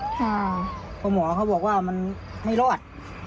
เพราะหมอเขาบอกว่ามันไม่รอด